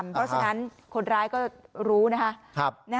เพราะฉะนั้นคนร้ายก็รู้นะคะ